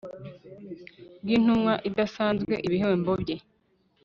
bw intumwa idasanzwe ibihembo bye